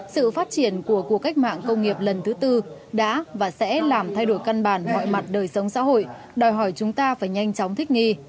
sự phát triển của cuộc cách mạng công nghiệp lần thứ tư đã và sẽ làm thay đổi căn bản mọi mặt đời sống xã hội đòi hỏi chúng ta phải nhanh chóng thích nghi